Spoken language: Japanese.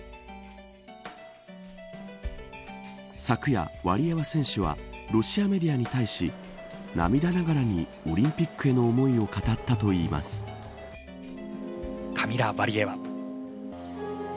昨夜、ワリエワ選手はロシアメディアに対し涙ながらにオリンピックへの思いを語ったといいまカミラ・ワリエワ。